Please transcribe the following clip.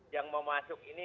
yang mau masuk ini